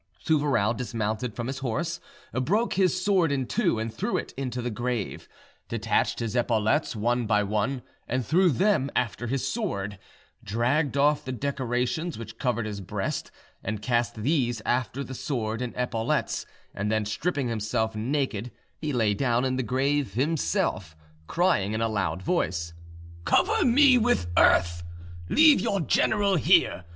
Souvarow dismounted from his horse, broke his sword in two and threw it into the grave, detached his epaulets one by one and threw them after his sword, dragged off the decorations which covered his breast and cast these after the sword and epaulets, and then, stripping himself naked, he lay down in the grave himself, crying in a loud voice— "Cover me with earth! Leave your general here.